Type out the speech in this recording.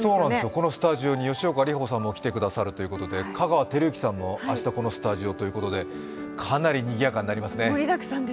このスタジオに吉岡里帆さんも来てくださるということで、香川照之さんも明日このスタジオということで、かなりにぎやかになりますね。